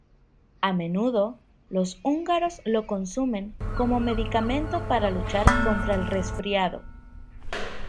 A menudo, los húngaros lo consumen como medicamento para luchar contra el resfriado.